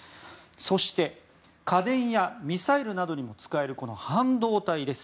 そして家電やミサイルなどにも使える半導体です。